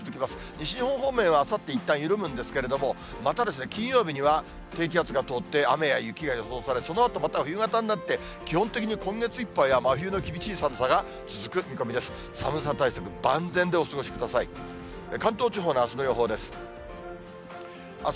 西日本方面はあさっていったん緩むんですけれども、また金曜日には低気圧が通って、雨や雪が予想され、そのあとまた冬型になって、基本的に今月いっぱいは真冬の厳しい寒さが続く見込みです。